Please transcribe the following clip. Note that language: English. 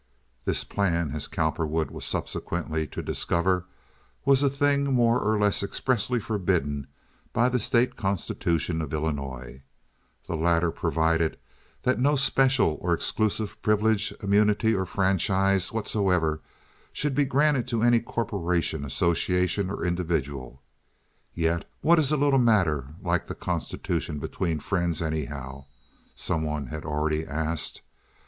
This plan, as Cowperwood was subsequently to discover, was a thing more or less expressly forbidden by the state constitution of Illinois. The latter provided that no special or exclusive privilege, immunity, or franchise whatsoever should be granted to any corporation, association, or individual. Yet, "What is a little matter like the constitution between friends, anyhow?" some one had already asked.